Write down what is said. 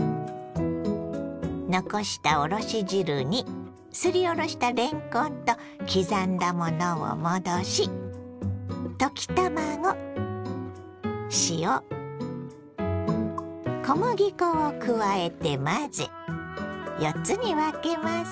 残したおろし汁にすりおろしたれんこんと刻んだものを戻しを加えて混ぜ４つに分けます。